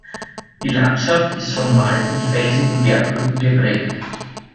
Die Landschaft ist von Wald und felsigen Bergrücken geprägt.